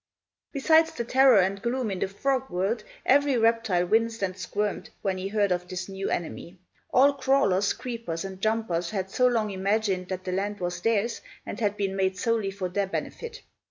Besides the terror and gloom in the frog world, every reptile winced and squirmed, when he heard of this new enemy. All crawlers, creepers, and jumpers had so long imagined that the land was theirs and had been made solely for their benefit!